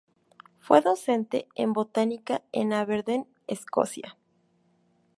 Fue docente en Botánica en Aberdeen, Escocia.